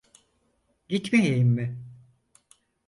Gitmeyeyim mi?